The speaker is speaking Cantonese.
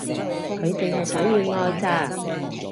佢淨係想要愛咋